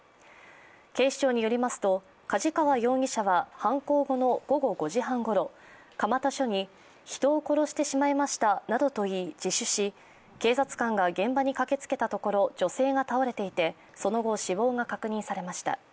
警視庁によりますと梶川容疑者は犯行後の午後５時半ごろ、蒲田署に人を殺してしまいましたなどと言い自首し、警察官が現場に駆けつけたところ女性が倒れていてその後死亡が確認されました。